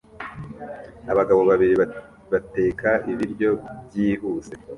Abagabo babiri bateka ibiryo byihuse